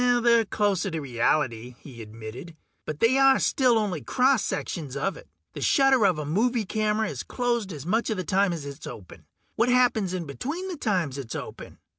"They're closer to reality," he admitted. "But they are still only cross sections of it. The shutter of a movie camera is closed as much of the time as it is open. What happens in between the times it's open?